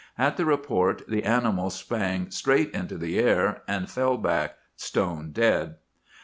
At the report the animal sprang straight into the air, and fell back stone dead.